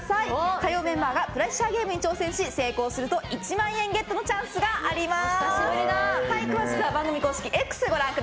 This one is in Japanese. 火曜メンバーがプレッシャーゲームに挑戦し成功すると１万円ゲットのチャンスがあります。